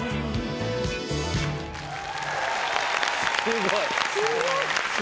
すごい！